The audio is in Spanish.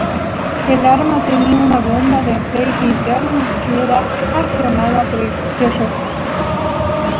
El arma tenía una bomba de aceite interna, que era accionada por el cerrojo.